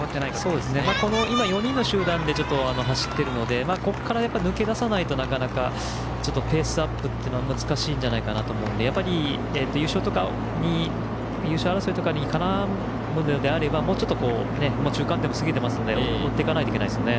４人の集団で走っているのでここから抜け出さないとペースアップというのは難しいと思いますのでやっぱり優勝争いとかに絡むのであればもうちょっと中間点も過ぎていますので追っていかないといけませんね。